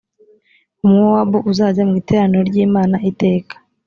umumowabu uzajya mu iteraniro ry’imana iteka